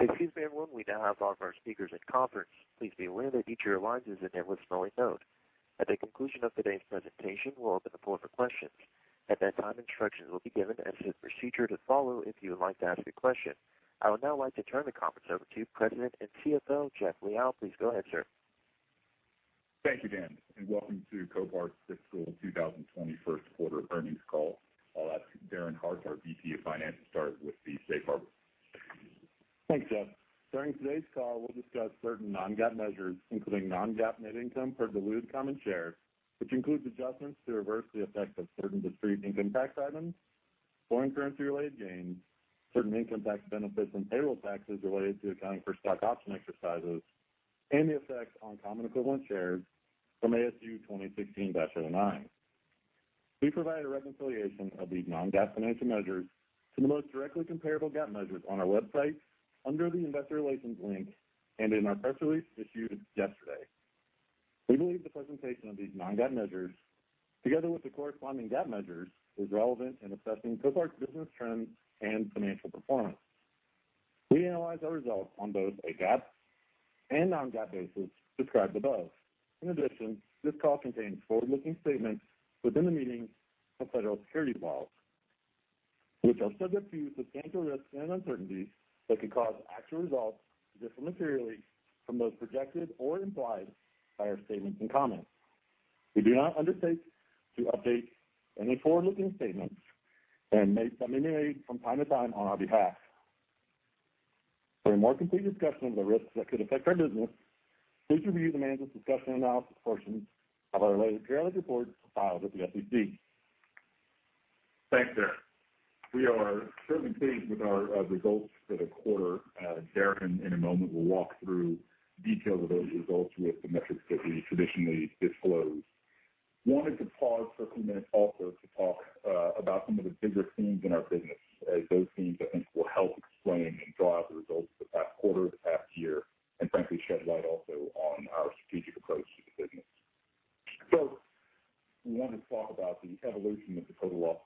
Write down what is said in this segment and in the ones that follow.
Excuse me, everyone. We now have all of our speakers in conference. Please be aware that each of your lines is and will remain in a listening mode. At the conclusion of today's presentation, we will open the floor for questions. At that time, instructions will be given as to the procedure to follow if you would like to ask a question. I would now like to turn the conference over to President and CFO, Jeff Liaw. Please go ahead, sir. Thank you, Dan, and welcome to Copart's Fiscal 2020 First Quarter Earnings Call. I'll ask Darren Hart, our VP of Finance, to start with the safe harbor. Thanks, Jeff. During today's call, we'll discuss certain non-GAAP measures, including non-GAAP net income per diluted common share, which includes adjustments to reverse the effect of certain discrete income tax items, foreign currency-related gains, certain income tax benefits and payroll taxes related to accounting for stock option exercises, and the effects on common equivalent shares from ASU 2016-09. We provide a reconciliation of these non-GAAP financial measures to the most directly comparable GAAP measures on our website under the Investor Relations link and in our press release issued yesterday. We believe the presentation of these non-GAAP measures, together with the corresponding GAAP measures, is relevant in assessing Copart's business trends and financial performance. We analyze our results on both a GAAP and non-GAAP basis described above. In addition, this call contains forward-looking statements within the meaning of federal securities laws, which are subject to substantial risks and uncertainties that could cause actual results to differ materially from those projected or implied by our statements and comments. We do not undertake to update any forward-looking statements that may be made from time to time on our behalf. For a more complete discussion of the risks that could affect our business, please review the management's discussion and analysis portions of our latest quarterly reports filed with the SEC. Thanks, Darren. We are certainly pleased with our results for the quarter. Darren, in a moment, will walk through details of those results with the metrics that we traditionally disclose. Wanted to pause for a few minutes also to talk about some of the bigger themes in our business as those themes, I think, will help explain and draw out the results of the past quarter, the past year, and frankly, shed light also on our strategic approach to the business. We want to talk about the evolution of the total loss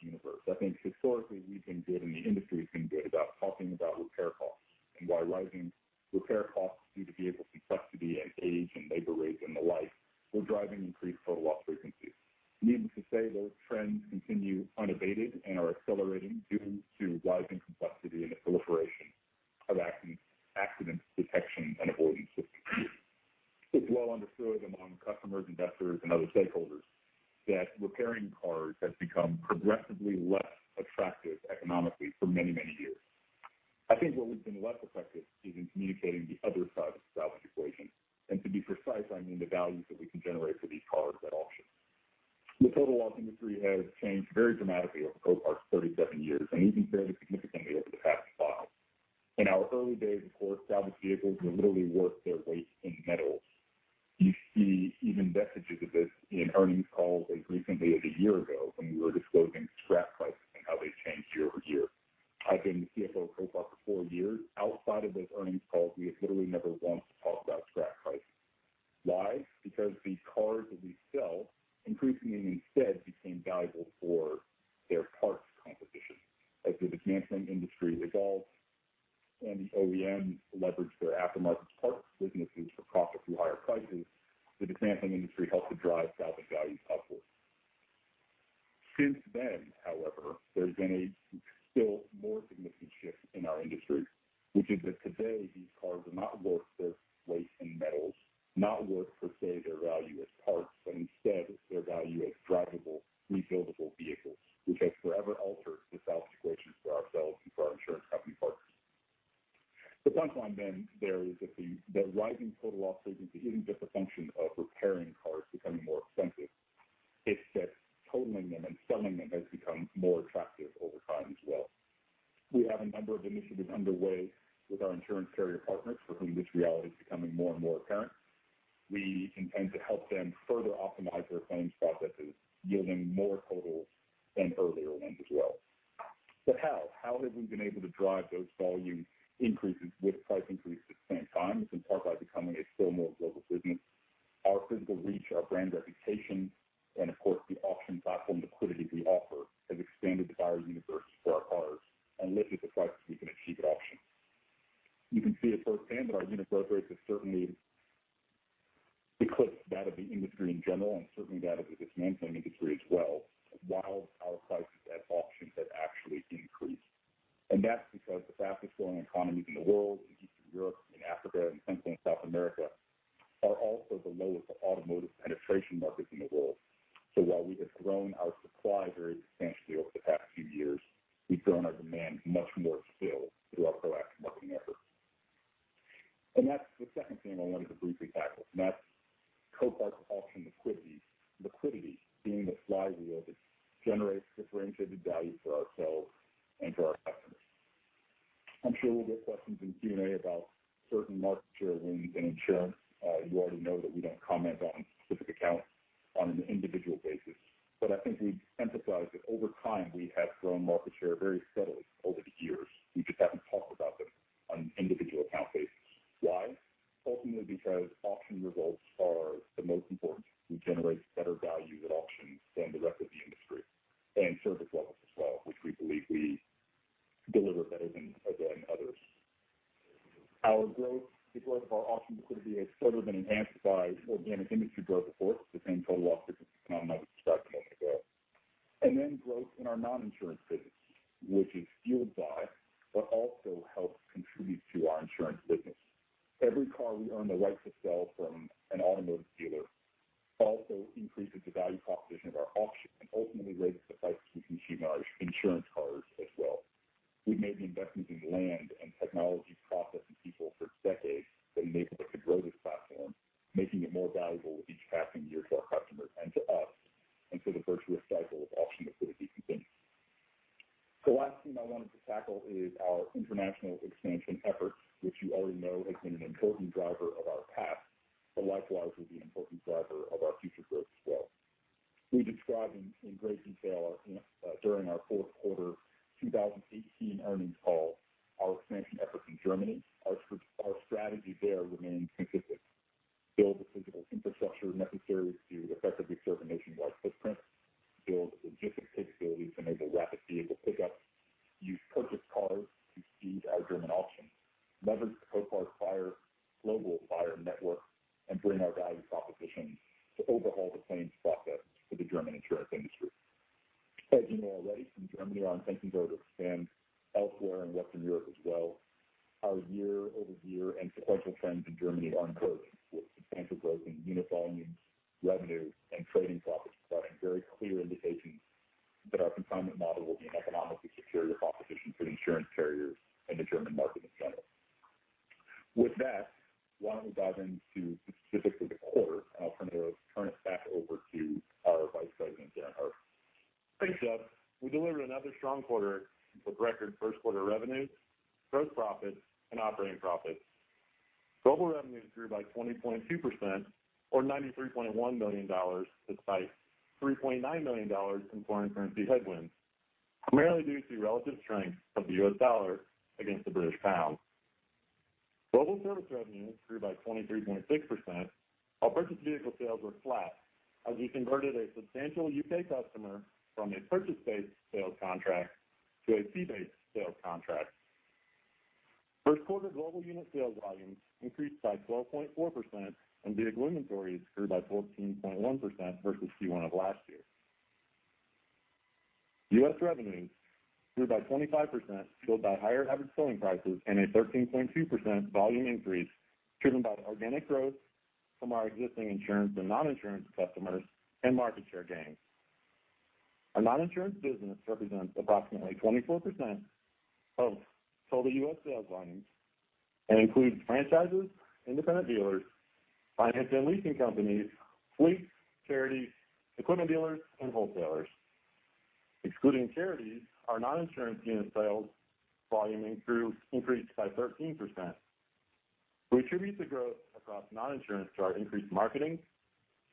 universe. I think historically, we've been good increases with price increases at the same time? It's in part by becoming a still more global business. Our physical reach, our brand reputation, and of course, the auction platform liquidity we offer, has expanded the buyer universe for our cars and lifted the prices we can achieve at auction. You can see it firsthand that our unit growth rates have certainly eclipsed that of the industry in general, and certainly that of the dismantling industry as well, while our prices at auction have actually increased. That's because the fastest-growing economies in the world, in Eastern Europe, in Africa, and Central and South America, are also the lowest automotive penetration markets in the world. While we have grown our supply very substantially over the past few years, we've grown our demand much more still through our proactive marketing efforts. That's the second theme I wanted to briefly tackle, and that's Copart's auction liquidity. Liquidity being the flywheel that generates differentiated value for ourselves and for our customers. I'm sure we'll get questions in Q&A about certain market share wins in insurance. You already know that we don't comment on specific accounts on an individual basis. I think we emphasize that over time, we have grown market share very steadily over the years. We just haven't talked about them on an individual account basis. Ultimately, because auction results are the most important. We generate better value at auction than the rest of the industry, and service levels as well, which we believe we deliver better than others. Our growth, the growth of our auction liquidity has further been enhanced by organic industry growth before it, the same total auction consignment model I described a moment ago. Then growth in our non-insurance business, which is fueled by, but also helps contribute to our insurance business. Every car we earn the right to sell from an automotive dealer also increases the value proposition of our auction and ultimately raises the price we can achieve on our insurance cars as well. We've made the investments in land and technology, process, and people for decades that enable us to grow this platform, making it more valuable with each passing year to our customers and to us, so the virtuous cycle of auction liquidity continues. The last thing I wanted to tackle is our international expansion efforts, which you already know has been an important driver of our past, but likewise, will be an important driver of our future growth as well. We described in great detail during our fourth quarter 2018 earnings call, our expansion efforts in Germany. Our strategy there remains consistent. Build the physical infrastructure necessary to effectively serve a nationwide footprint, build logistics capabilities to enable rapid vehicle pickup, use purchased cars to seed our German auction, leverage the Copart global buyer network, and bring our value proposition to overhaul the claims process for the German insurance industry. As you know already, from Germany, our intention is to expand elsewhere in Western Europe as well. Our year-over-year and sequential trends in Germany are encouraging, with substantial growth in unit volumes, revenues, and trading profits providing very clear indications that our consignment model will be an economically superior proposition for the insurance carriers and the German market in general. With that, why don't we dive into specifically the quarter, and I'll turn it back over to our Vice President, Darren Hart. Thanks, Jeff. We delivered another strong quarter with record first quarter revenues, gross profits, and operating profits. Global revenues grew by 20.2%, or $93.1 million, despite $3.9 million in foreign currency headwinds, primarily due to the relative strength of the U.S. dollar against the British pound. Global service revenues grew by 23.6%, while purchased vehicle sales were flat as we converted a substantial U.K. customer from a purchase-based sales contract to a fee-based sales contract. First quarter global unit sales volumes increased by 12.4%, and vehicle inventories grew by 14.1% versus Q1 of last year. U.S. revenues grew by 25%, fueled by higher Average Selling Prices and a 13.2% volume increase driven by organic growth from our existing insurance and non-insurance customers and market share gains. Our non-insurance business represents approximately 24% of total U.S. sales volumes and includes franchises, independent dealers, finance and leasing companies, fleets, charities, equipment dealers, and wholesalers. Excluding charities, our non-insurance unit sales volume increased by 13%. We attribute the growth across non-insurance to our increased marketing,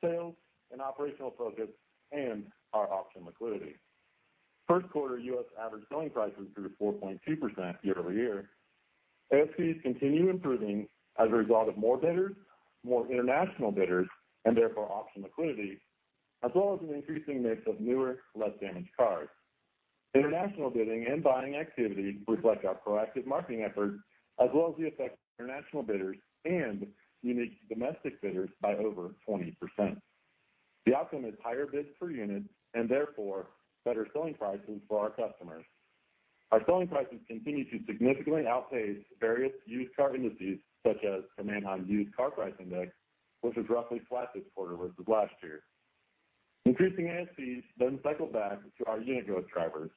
sales, and operational focus and our auction liquidity. First quarter U.S. average selling prices grew 4.2% year-over-year. ASPs continue improving as a result of more bidders, more international bidders, and therefore auction liquidity, as well as an increasing mix of newer, less damaged cars. International bidding and buying activity reflect our proactive marketing efforts, as well as the effect on international bidders and unique domestic bidders by over 20%. The outcome is higher bids per unit and therefore better selling prices for our customers. Our selling prices continue to significantly outpace various used car indices, such as the Manheim Used Vehicle Value Index, which was roughly flat this quarter versus last year. Cycle back to our unit growth drivers.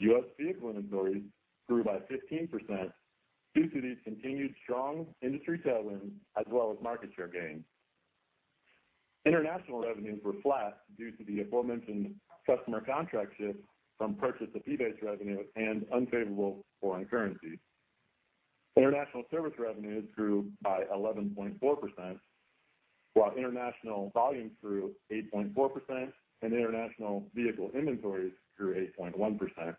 U.S. vehicle inventories grew by 15% due to these continued strong industry tailwinds as well as market share gains. International revenues were flat due to the aforementioned customer contract shift from purchase to fee-based revenue and unfavorable foreign currency. International service revenues grew by 11.4%, while international volume grew 8.4% and international vehicle inventories grew 8.1%.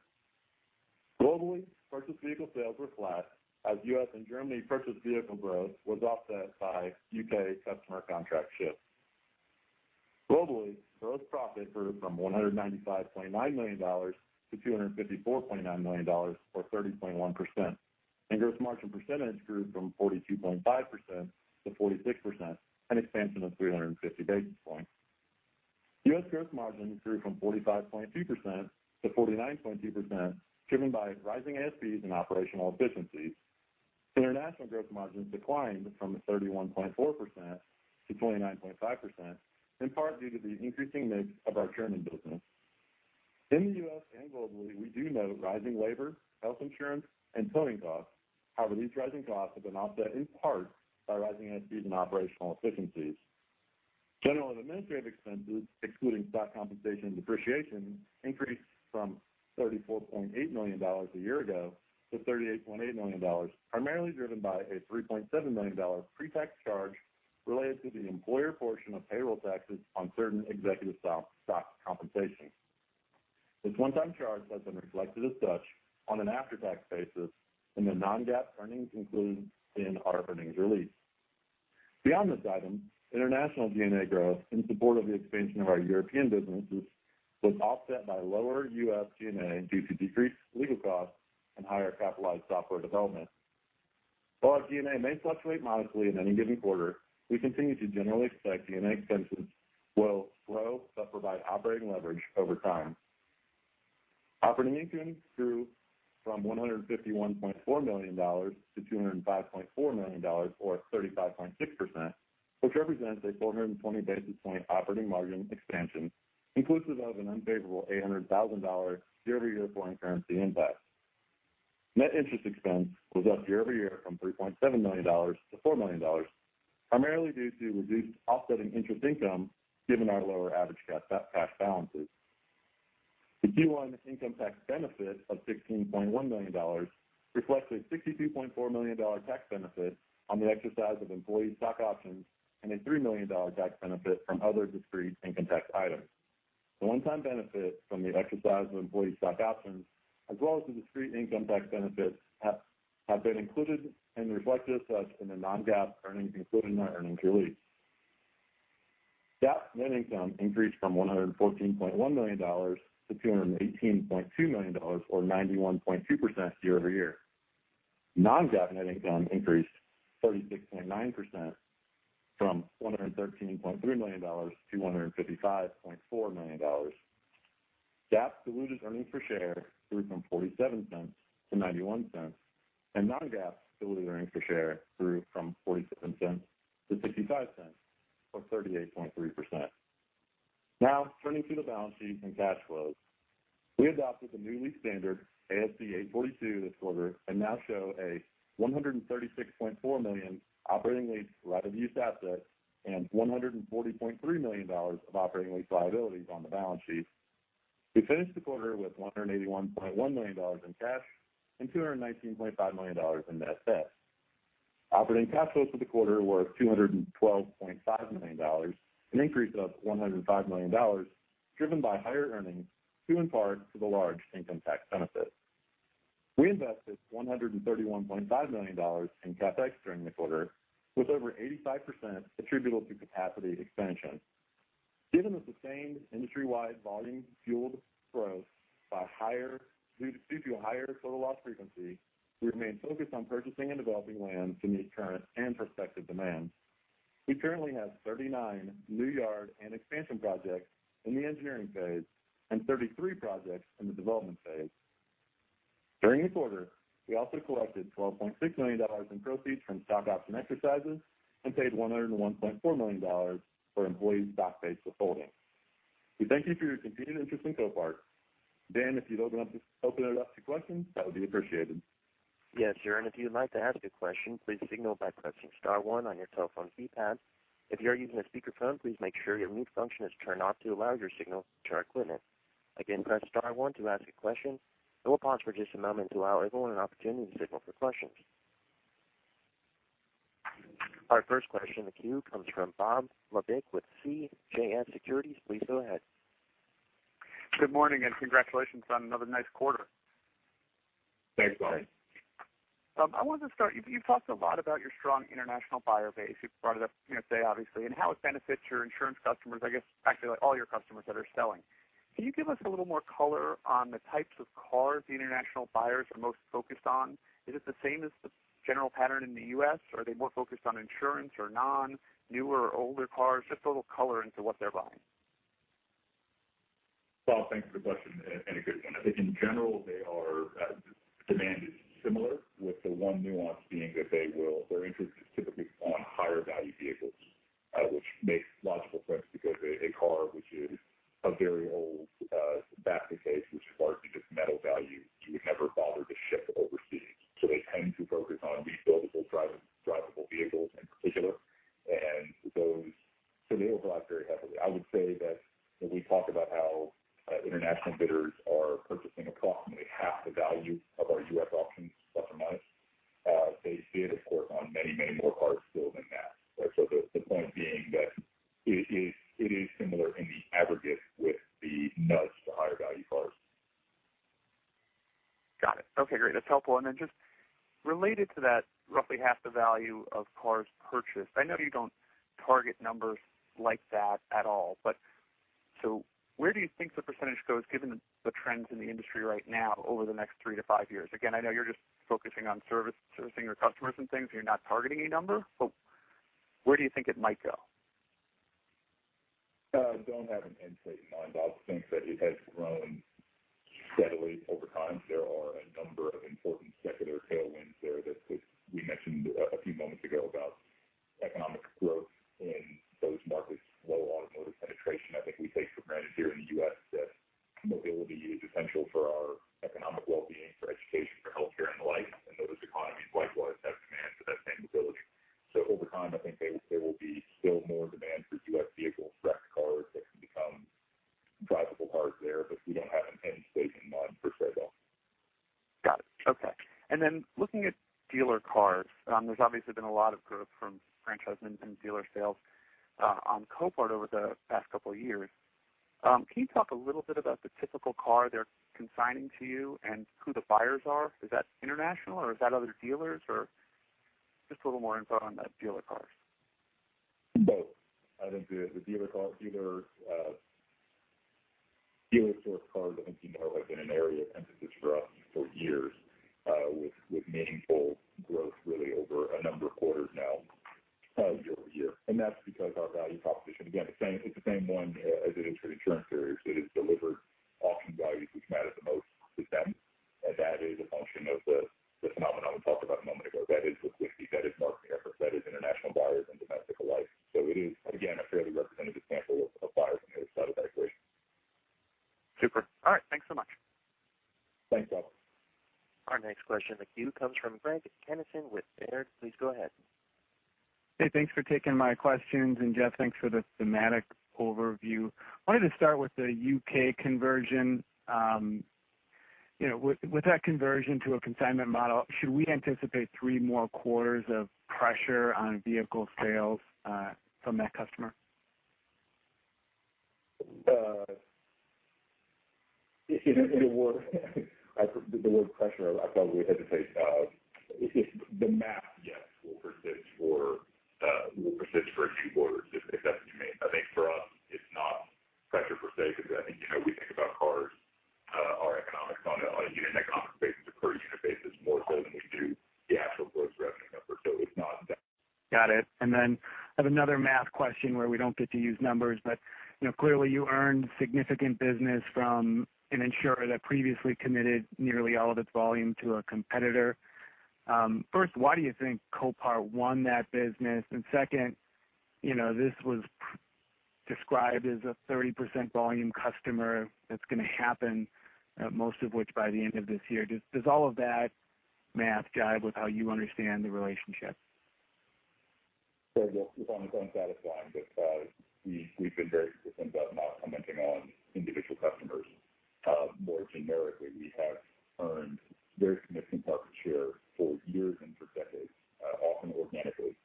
Globally, purchased vehicle sales were flat as U.S. and Germany purchased vehicle growth was offset by U.K. customer contract shifts. Globally, gross profit grew from $195.9 million to $254.9 million, or 30.1%, and gross margin percentage grew from 42.5% to 46%, an expansion of 350 basis points. U.S. gross margin grew from 45.2% to 49.2%, driven by rising ASPs and operational efficiencies. International gross margins declined from 31.4% to 29.5%, in part due to the increasing mix of our German business. In the U.S. and globally, we do note rising labor, health insurance, and towing costs. However, these rising costs have been offset in part by rising ASPs and operational efficiencies. General and administrative expenses, excluding stock compensation and depreciation, increased from $34.8 million a year ago to $38.8 million, primarily driven by a $3.7 million pre-tax charge related to the employer portion of payroll taxes on certain executive stock compensation. This one-time charge has been reflected as such on an after-tax basis in the non-GAAP earnings included in our earnings release. Beyond this item, international G&A growth in support of the expansion of our European businesses was offset by lower U.S. G&A due to decreased legal costs and higher capitalized software development. While our G&A may fluctuate modestly in any given quarter, we continue to generally expect G&A expenses will slow but provide operating leverage over time. Operating income grew from $151.4 million to $205.4 million, or 35.6%, which represents a 420 basis point operating margin expansion, inclusive of an unfavorable $800,000 year-over-year foreign currency impact. Net interest expense was up year-over-year from $3.7 million to $4 million, primarily due to reduced offsetting interest income given our lower average cash balances. The Q1 income tax benefit of $16.1 million reflects a $62.4 million tax benefit on the exercise of employee stock options and a $3 million tax benefit from other discrete income tax items. The one-time benefit from the exercise of employee stock options, as well as the discrete income tax benefits, have been included and reflected as such in the non-GAAP earnings included in our earnings release. GAAP net income increased from $114.1 million to $218.2 million, or 91.2% year-over-year. Non-GAAP net income increased 36.9%, from $113.3 million to $155.4 million. GAAP diluted earnings per share grew from $0.47 to $0.91, and non-GAAP diluted earnings per share grew from $0.47 to $0.65, or 38.3%. Now turning to the balance sheet and cash flows. We adopted the new lease standard ASC 842 this quarter and now show a $136.4 million operating lease right-of-use asset and $140.3 million of operating lease liabilities on the balance sheet. We finished the quarter with $181.1 million in cash and $219.5 million in assets. Operating cash flows for the quarter were $212.5 million, an increase of $105 million, driven by higher earnings, due in part to the large income tax benefit. We invested $131.5 million in CapEx during the quarter, with over 85% attributable to capacity expansion. Given the sustained industry-wide volume-fueled growth due to higher total loss frequency, we remain focused on purchasing and developing land to meet current and prospective demand. We currently have 39 new yard and expansion projects in the engineering phase and 33 projects in the development phase. During this quarter, we also collected $12.6 million in proceeds from stock option exercises and paid $101.4 million for employee stock-based withholding. We thank you for your continued interest in Copart. Dan, if you'd open it up to questions, that would be appreciated. Yes, sure, and if you'd like to ask a question, please signal by pressing star one on your telephone keypad. If you are using a speakerphone, please make sure your mute function is turned off to allow your signal to our equipment. Again, press star one to ask a question. We'll pause for just a moment to allow everyone an opportunity to signal for questions. Our first question in the queue comes from Bob Labick with CJS Securities. Please go ahead. Good morning and congratulations on another nice quarter. Thanks, Bob. I wanted to start, you talked a lot about your strong international buyer base. You brought it up yesterday, obviously, and how it benefits your insurance customers, I guess actually, all your customers that are selling. Can you give us a little more color on the types of cars the international buyers are most focused on? Is it the same as the general pattern in the U.S.? Are they more focused on insurance or non, newer or older cars? Just a little color into what they're buying. Bob, thanks for the question, and a good one. I think in general, demand is similar with the one nuance being that their interest is typically on higher value vehicles, which makes logical sense because a car which is a very old basket case, which is largely just metal value, you would never bother to ship overseas. They tend to focus on rebuildable, drivable vehicles in particular. They overbuy very heavily. I would say that when we talk about how international bidders are purchasing approximately half the value of our U.S. auction stock a month. They bid, of course, on many more cars still than that. The point being that it is similar in the aggregate with the nudge to higher value cars. Got it. Okay, great. That's helpful. Then just related to that, roughly half the value of cars purchased. I know you don't target numbers like that at all, so where do you think the percentage goes given the trends in the industry right now over the next three to five years? Again, I know you're just focusing on servicing your customers and things, you're not targeting a number, where do you think it might go? I don't have an end state in mind, Bob. I think that it has grown steadily over time. There are a number of important secular tailwinds there that we mentioned a few moments ago car, I think has been an area of emphasis for us for years, with meaningful growth really over a number of quarters now year-over-year. That's because our value proposition, again, it's the same one as it is for insurance carriers. It is delivered auction values which matter the most to them, and that is a function of the phenomenon we talked about a moment ago. That is liquidity, that is marketing effort, that is international buyers and domestic alike. It is, again, a fairly representative sample of buyers on the other side of that equation. Super. All right. Thanks so much. Thanks, Alex. Our next question in the queue comes from Craig Kennison with Baird. Please go ahead. Hey, thanks for taking my questions, and Jeff, thanks for the thematic overview. Wanted to start with the U.K. conversion. With that conversion to a consignment model, should we anticipate three more quarters of pressure on vehicle sales from that customer? The word pressure, I probably hesitate. The math, yes, will persist for a few quarters, if that's what you mean. I think for us, it's not pressure per se, because I think we think about cars, our economics on a unit economic basis or per unit basis more so than we do the actual gross revenue number. It's not that. Got it. I have another math question where we don't get to use numbers, but clearly Copart earned significant business from an insurer that previously committed nearly all of its volume to a competitor. First, why do you think Copart won that business? Second, this was described as a 30% volume customer that's going to happen, most of which by the end of this year. Does all of that math jive with how you understand the relationship? Craig, look, if I'm going to stay on this line, but we've been very consistent about not commenting on individual customers. More generically, we have earned very significant market share for years and for decades, often organically.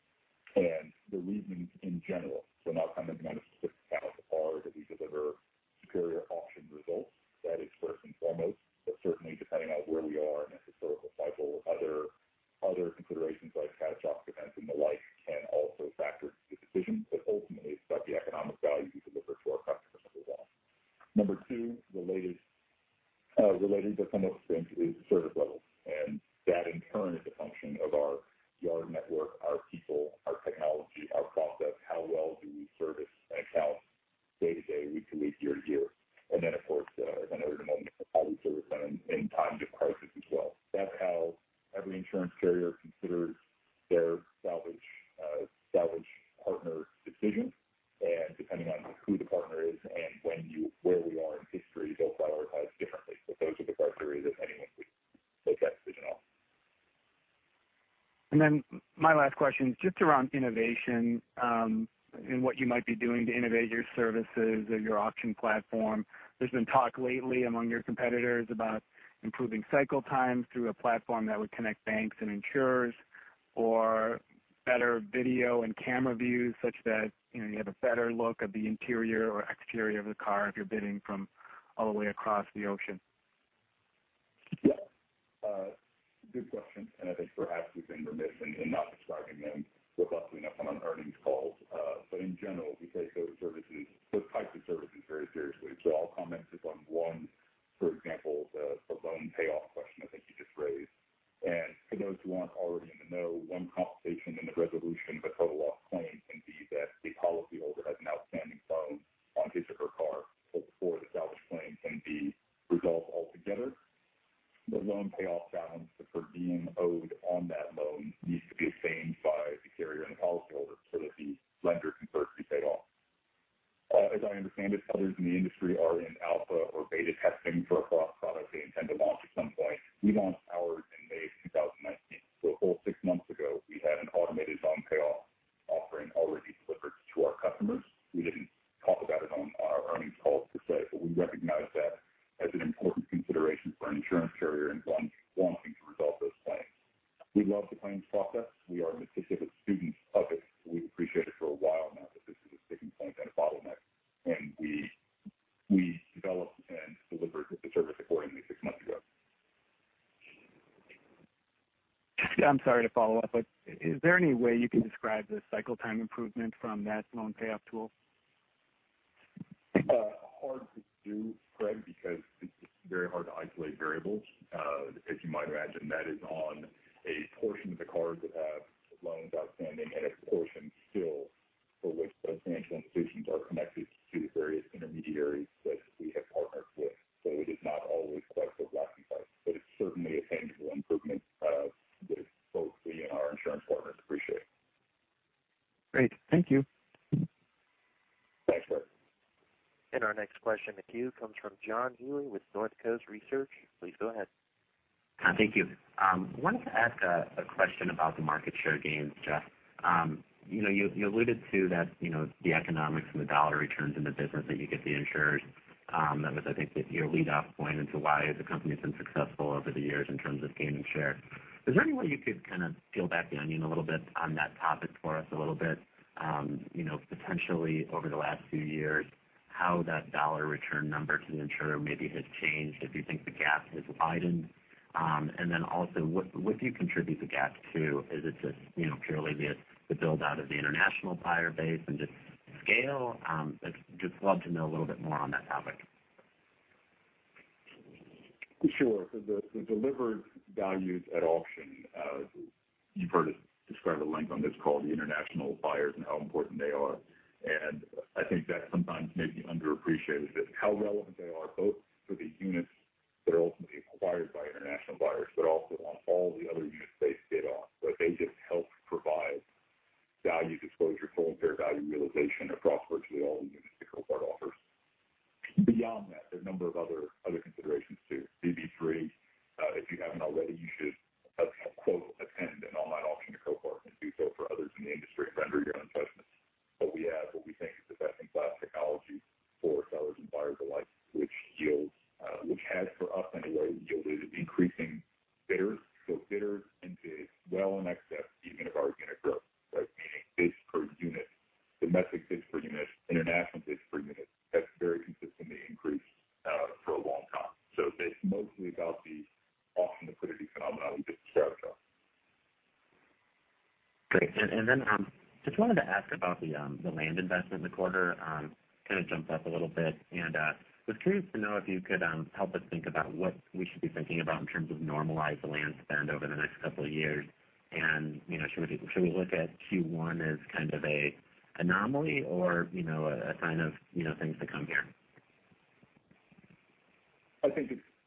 The reasons in general, so not commenting on a specific account, are that we deliver superior auction results. That is first and foremost, but certainly depending on where we are in a historical cycle, other considerations like catastrophic events and the like can also factor into the decision. Ultimately, it's about the economic value we deliver to our customers overall. Number two, related but somewhat distinct, is service level, and that in turn is a function of our yard network, our people, our technology, our process, how well do we service an account day to day, week to week, year to year. Then, of course, as I noted a moment ago, how we service them in times of crisis as well. That's how every insurance carrier considers their salvage partner decision. Depending on who the partner is and where we are in history, they'll prioritize differently. Those are the criteria that anyone would make that decision on. My last question is just around innovation and what you might be doing to innovate your services or your auction platform. There's been talk lately among your competitors about improving cycle times through a platform that would connect banks and insurers or better video and camera views such that you have a better look of the interior or exterior of the car if you're bidding from all the way across the Hard to do, Craig, because it's very hard to isolate variables. As you might imagine, that is on a portion of the cars that have loans outstanding and a portion still for which those financial institutions are connected to the various intermediaries that we have partnered with. It is not always cut and dry, but it's certainly a tangible improvement that both we and our insurance partners appreciate. Great. Thank you. Our next question to you comes from John Healy with NorthCoast Research. Please go ahead. Thank you. I wanted to ask a question about the market share gains, Jeff. You alluded to that the economics and the dollar returns in the business that you give the insurers, that was, I think, your lead off point into why the company's been successful over the years in terms of gaining share. Is there any way you could kind of peel back the onion a little bit on that topic for us a little bit? Potentially over the last few years, how that dollar return number to the insurer maybe has changed if you think the gap has widened. Also, what do you contribute the gap to? Is it just purely the build-out of the international buyer base and just scale? I'd just love to know a little bit more on that topic. Sure. The delivered values at auction, you've heard us describe at length on this call, the international buyers and how important they are. I think that's sometimes maybe underappreciated is just how relevant they are, both for the units that are ultimately acquired by international buyers, but also on all the other units they bid on. They just help provide value disclosure, full and fair value realization across virtually all the units that Copart offers. Beyond that, there are a number of other considerations, too. Maybe three, if you haven't already, you should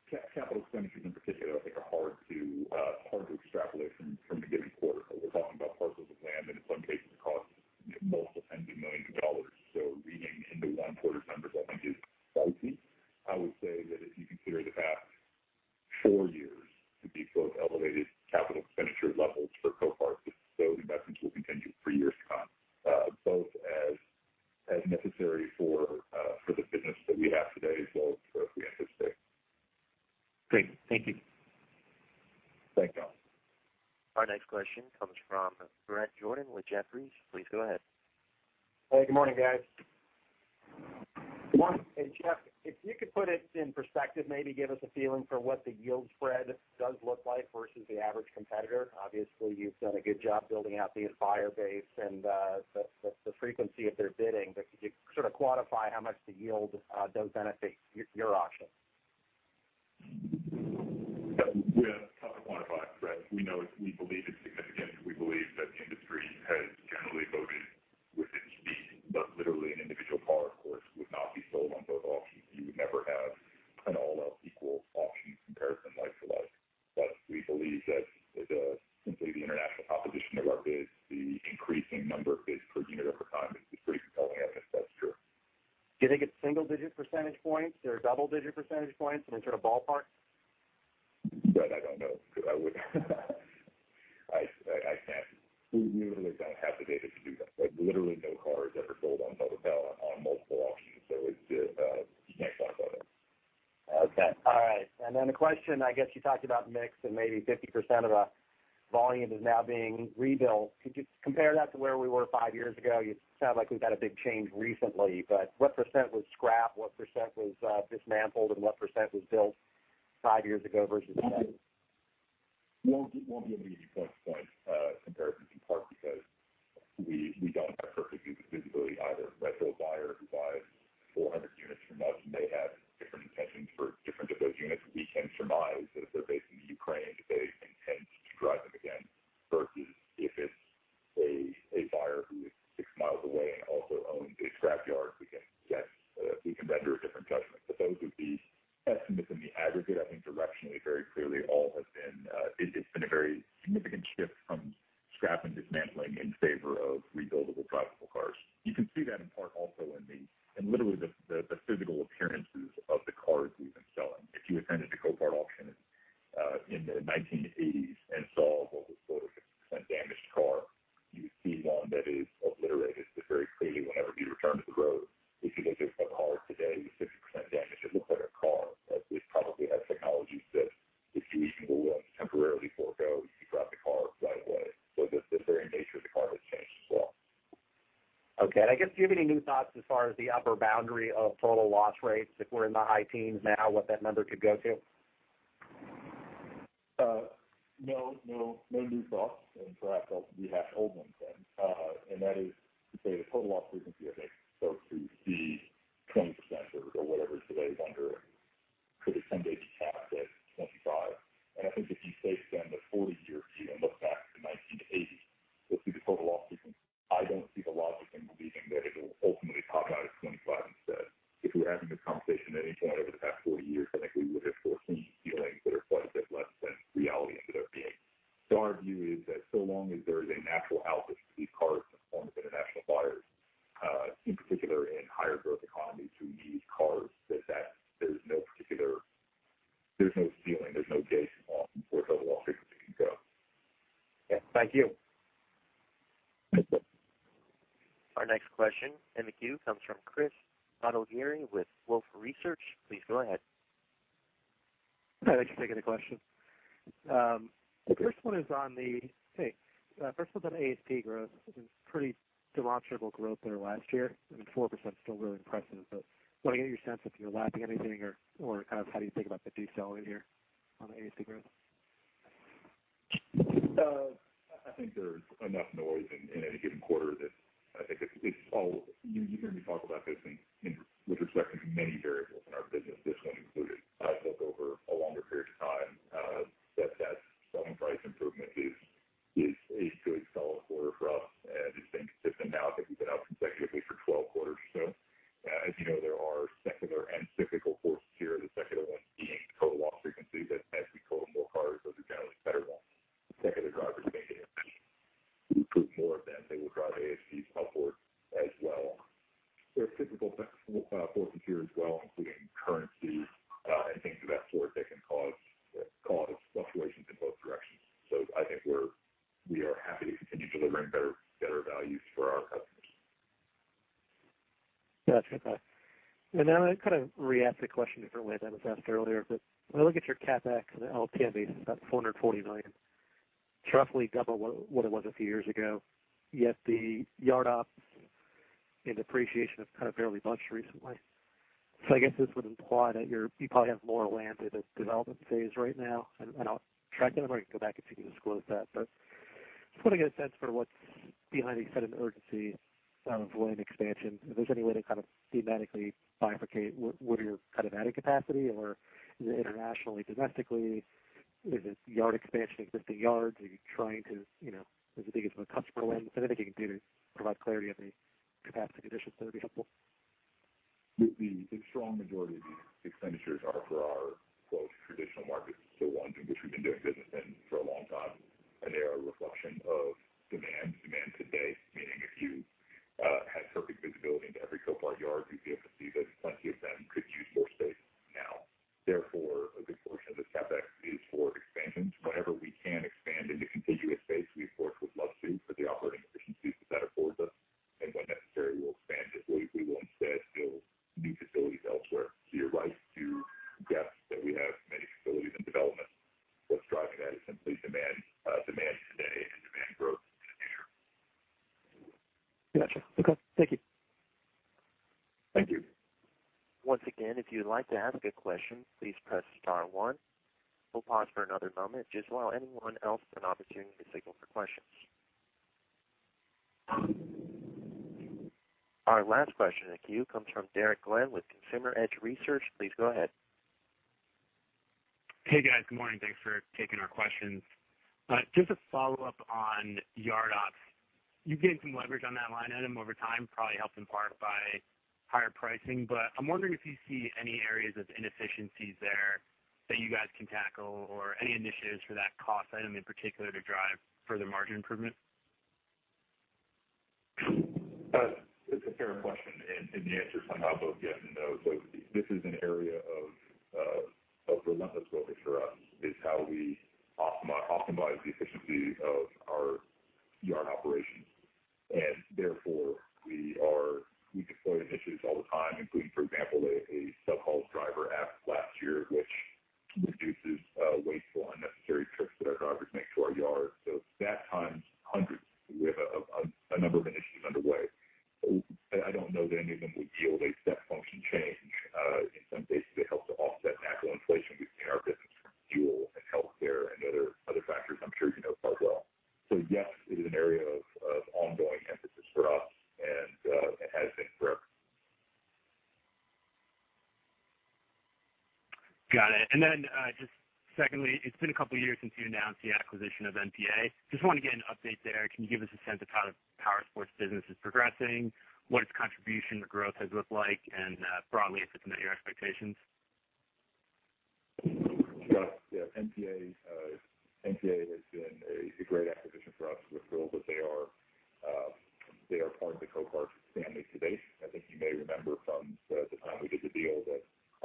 capital expenditures in particular that I think are hard to extrapolate from a given quarter. We're talking about parcels of land, and in some cases it costs multiple tens of millions of dollars. Reading into one quarter's numbers, I think is dicey. I would say that if you consider the past four years to be both elevated capital expenditure levels for Copart, those investments will continue for years to come, both as necessary for the business that we have today as well as for the future state. Great. Thank you. Thank you. Our next question comes from Bret Jordan with Jefferies. Please go ahead. Hey, good morning, guys. One, Jeff, if you could put it in perspective, maybe give us a feeling for what the yield spread does look like versus the average competitor. Obviously, you've done a good job building out the buyer base and the frequency of their bidding, but could you sort of quantify how much the yield does benefit your auctions? Yeah. It's hard to quantify, Bret. We believe it's significant. We believe that the industry has generally voted with its feet, literally an individual car, of course, would not be sold on both auctions. You would never have an all-else equal auctions comparison like for like. We believe that simply the international composition of our bids, the increasing number of bids per unit over time is pretty compelling evidence that's true. Do you think it's single-digit percentage points or double-digit percentage points in sort of ballpark? Bret, I don't know. We really don't have the data to do that. Literally no car has ever sold on both Okay. All right. A question, I guess you talked about mix and maybe 50% of the volume is now being rebuilt. Could you compare that to where we were five years ago? You sound like we've had a big change recently, but what % was scrap, what % was dismantled, and what % was built five years ago versus I don't see the logic in believing that it will ultimately top out at 25 instead. If we were having this conversation at any point over the past 40 years, I think we would have foreseen you feeling that itReality into their being. Our view is that so long as there is a natural output for these cars in the forms of international buyers, in particular in higher growth economies who need cars, that there's no ceiling, there's no gauge in law for how long frequency can go. Yeah. Thank you. Thanks. Our next question in the queue comes from Chris Bottiglieri with Wolfe Research. Please go ahead. Hi, thanks for taking the question. Sure. The first one is on the ASP growth. It was pretty demonstrable growth there last year, and 4% is still really impressive, but want to get your sense if you're lapping anything or how do you think about the detail in here on the ASP growth? I think there's enough noise in any given quarter that I think it's all. You hear me talk about this with respect to many variables in our business, this one included. I look over a longer period of time. That selling price improvement is a pretty solid quarter for us and it's been consistent now. I think we've been out consecutively for 12 quarters or so. As you know, there are secular and cyclical forces here, the secular ones being total loss frequencies. As we total more cars, those are generally better ones. Secondary drivers may improve more of them. They will drive ASPs upward as well. There are cyclical forces here as well, including currency, and things of that sort that can cause fluctuations in both directions. I think we are happy to continue delivering better values for our customers. Gotcha. I kind of re-ask the question differently than it was asked earlier. When I look at your CapEx on an LTM basis, it's about $440 million. It's roughly double what it was a few years ago, yet the yard ops and depreciation have kind of barely budged recently. I guess this would imply that you probably have more land in a development phase right now. I'll track down or I can go back if you can disclose that. Just want to get a sense for what's behind the sudden urgency of land expansion. If there's any way to thematically bifurcate what are you adding capacity, or is it internationally, domestically? Is it yard expansion, existing yards? Is it thinking from a customer lens? Anything you can do to provide clarity on the capacity conditions, that'd be helpful. The strong majority of these expenditures are for our traditional markets, so ones in which we've been doing business in for a long time, and they are a reflection of demand. Demand today, meaning if you had perfect visibility into every Copart yard, you'd be able to see that plenty of them could use more space now. Therefore, a good portion of this CapEx is for expansions. Whenever we can expand into contiguous space, we of course would love to for the operating efficiencies that that affords us, and when necessary, we'll expand. If we will instead build new facilities elsewhere. You're right to guess that we have many facilities in development. What's driving that is simply demand today and demand growth in the future. Gotcha. Okay. Thank you. Thank you. Once again, if you'd like to ask a question, please press star one. We'll pause for another moment. Just allow anyone else an opportunity to signal for questions. Our last question in the queue comes from Derek Glynn with Consumer Edge Research. Please go ahead. Hey, guys. Good morning. Thanks for taking our questions. Just a follow-up on yard ops. You've gained some leverage on that line item over time, probably helped in part by higher pricing, but I'm wondering if you see any areas of inefficiencies there that you guys can tackle or any initiatives for that cost item in particular to drive further margin improvement. It's a fair question, and the answer is somehow both yes and no. This is an area of relentless focus for us is how we optimize the efficiency of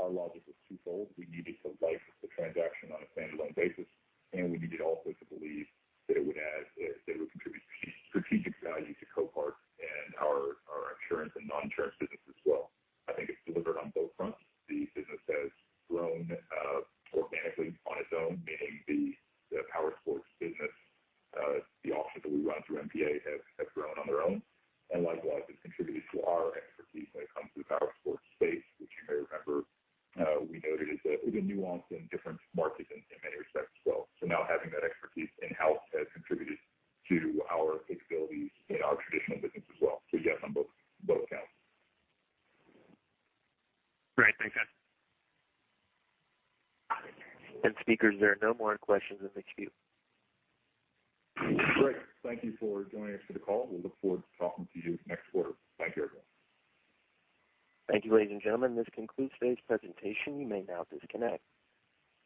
our logic was twofold. We needed to like the transaction on a standalone basis, and we needed also to believe that it would contribute strategic value to Copart and our insurance and non-insurance business as well. I think it's delivered on both fronts. The business has grown organically on its own, meaning the powersports business, the auctions that we run through NPA have grown on their own and likewise, it's contributed to our expertise when it comes to the powersports space, which you may remember we noted is a bit nuanced in different markets in many respects as well. Now having that expertise in-house has contributed to our capabilities in our traditional business as well. Yes, on both counts. Great. Thanks, guys. Speakers, there are no more questions in the queue. Great. Thank you for joining us for the call. We'll look forward to talking to you next quarter. Thank you, everyone. Thank you, ladies and gentlemen. This concludes today's presentation. You may now disconnect.